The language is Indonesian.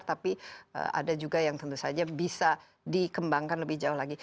tapi ada juga yang tentu saja bisa dikembangkan lebih jauh lagi